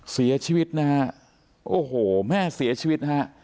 เสียชีวิตนะฮะโอ้โหแม่เสียชีวิตนะฮะ